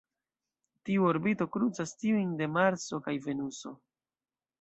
Tiu orbito krucas tiujn de Marso kaj Venuso.